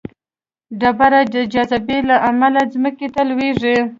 ډبره د جاذبې له امله ځمکې ته لویږي.